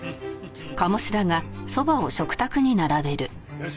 よし！